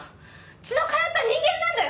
血の通った人間なんだよ！